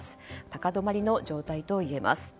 高止まりの状態と言えます。